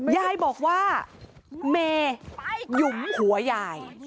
ยายบอกว่าเมย์หยุมหัวยาย